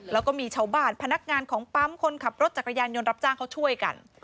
แล้วก็มีชาวบ้านพนักงานของปั๊มคนขับรถจักรยานยนต์รับจ้างเขาช่วยกัน